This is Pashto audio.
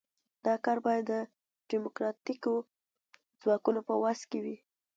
دا کار باید د ډیموکراتیکو ځواکونو په وس کې وي.